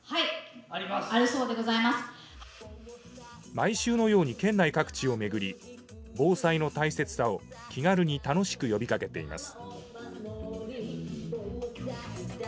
毎週のように県内各地を巡り防災の大切さを気軽に楽しく呼びかけています。